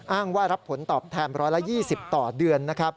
อ้างว่ารับผลตอบแทน๑๒๐ต่อเดือน